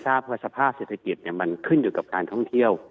ทราบภาษาภาพเศรษฐกิจเนี้ยมันขึ้นอยู่กับการท่องเที่ยว